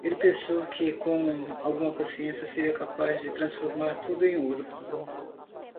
Ele pensou que com alguma paciência seria capaz de transformar tudo em ouro.